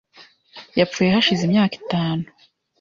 Yapfuye hashize imyaka itanu .